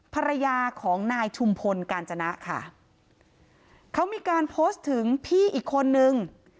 ภรรยาของนายชุมพลกาญจนะค่ะเขามีการโพสต์ถึงพี่อีกคนนึง